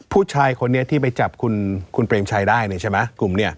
ผู้ชายคนนี้ที่ไปจับคุณเพลมชายได้เนี่ยเฉยมะกลุ่มเนี่ย